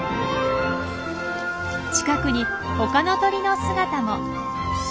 近くに他の鳥の姿も。